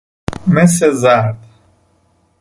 مس زرد